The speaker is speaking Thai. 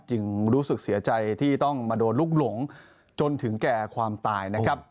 รู้สึกเสียใจที่ต้องมาโดนลูกหลงจนถึงแก่ความตายนะครับ